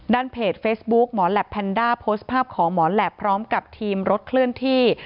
เพจเฟซบุ๊คหมอแหลปแพนด้าโพสต์ภาพของหมอแหลปพร้อมกับทีมรถเคลื่อนที่